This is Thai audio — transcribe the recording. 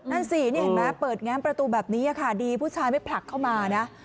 นั่นสินี่เห็นไหมเปิดแง้มประตูแบบนี้ค่ะดีผู้ชายไม่ผลักเข้ามานะ